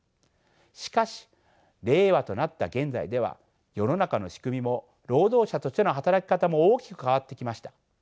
しかし令和となった現在では世の中の仕組みも労働者としての働き方も大きく変わってきました。